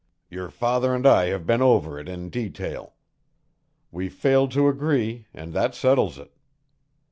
Your father and I have been over it in detail; we failed to agree, and that settles it.